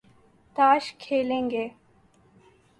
تاش کھیلیں گے